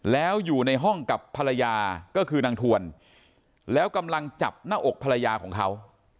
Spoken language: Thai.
แล้วอยู่ในห้องกับภรรยาก็คือนางทวนแล้วกำลังจับหน้าอกภรรยาของเขา